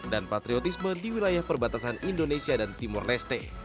dan patriotisme di wilayah perbatasan indonesia dan timur leste